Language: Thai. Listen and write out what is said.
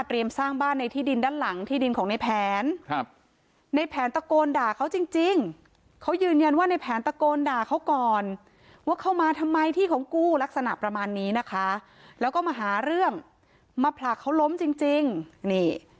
สร้างบ้านในที่ดินด้านหลังที่ดินของในแผนครับในแผนตะโกนด่าเขาจริงจริงเขายืนยันว่าในแผนตะโกนด่าเขาก่อนว่าเข้ามาทำไมที่ของกู้ลักษณะประมาณนี้นะคะแล้วก็มาหาเรื่องมาผลักเขาล้มจริงจริงนี่